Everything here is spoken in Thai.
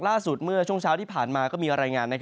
เมื่อช่วงเช้าที่ผ่านมาก็มีรายงาน